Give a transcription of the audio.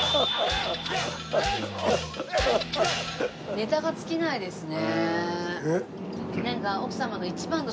ネタが尽きないですね。